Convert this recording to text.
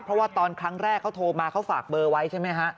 เพราะว่าตอนครั้งแรกเขาโทรมาเขาฝากเบอร์ไว้ใช่ไหมฮะ